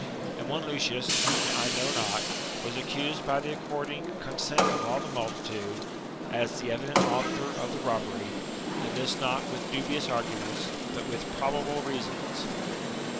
And one Lucius, whom I know not, was accused by the according consent ot all the multitude, as the evident author of the robbery, and this not with dubious arguments, but with probable reasons.